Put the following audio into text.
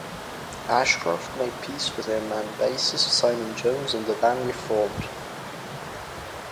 Ashcroft made peace with him and bassist Simon Jones and the band reformed.